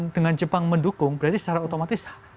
dengan jepang mendukung berarti secara otomatis